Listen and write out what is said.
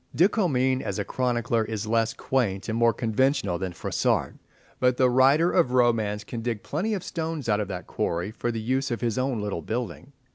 De Comines, as a chronicler, is less quaint and more conventional than Froissart, but the writer of romance can dig plenty of stones out of that quarry for the use of his own little building.